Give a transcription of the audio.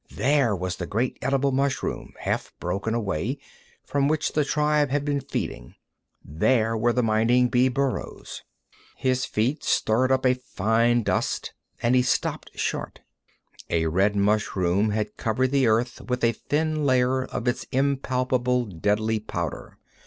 There was the great edible mushroom, half broken away, from which the tribe had been feeding. There were the mining bee burrows. His feet stirred up a fine dust, and he stopped short. A red mushroom had covered the earth with a thin layer of its impalpable, deadly powder.